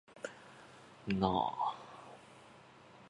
なあ